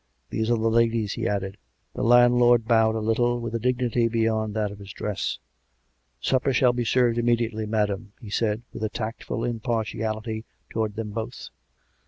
These are the ladies," he added. The landlord bowed a little, with a dignity beyond that of his dress. " Supper shall be served immediately, madam," he said, with a tactful impartiality towards them both.